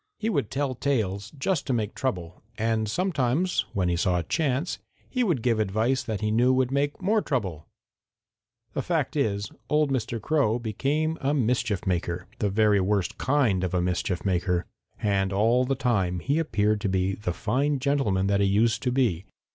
He would tell tales just to make trouble, and sometimes, when he saw a chance, he would give advice that he knew would make more trouble. The fact is, old Mr. Crow became a mischief maker, the very worst kind of a mischief maker. And all the time he appeared to be the fine gentleman that he used to be.